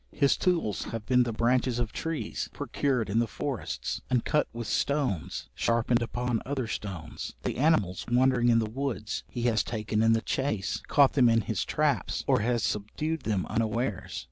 His tools have been the branches of trees, procured in the forests, and cut with stones sharpened upon other stones; the animals wandering in the woods he has taken in the chace, caught them in his traps, or has subdued them unawares.